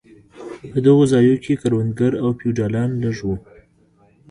په دغو ځایو کې کروندګر او فیوډالان لږ وو.